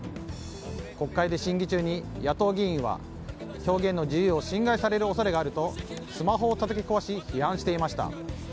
国会で審議中に野党議員は表現の自由を侵害される恐れがあるとスマホをたたき壊し批判していました。